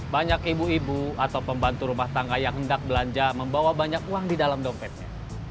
banyak ibu ibu atau pembantu rumah tangga yang hendak belanja membawa banyak uang di dalam dompetnya